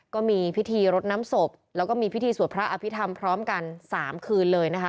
ก็มีพิธีรดน้ำศพแล้วก็มีพิธีสวดพระอภิษฐรรมพร้อมกัน๓คืนเลยนะคะ